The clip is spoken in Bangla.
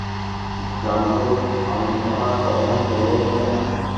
জানো তো, আমরা কখনো বুড়ো হই না।